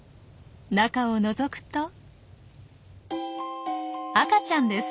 中をのぞくと赤ちゃんです！